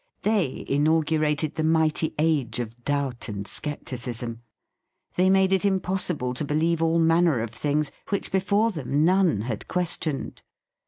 They inaugurated the mighty age of doubt and scepticism. They made it impos sible to believe all manner of things which before them none had questioned.